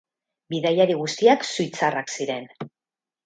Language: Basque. Bidaiari guztiak suitzarrak ziren.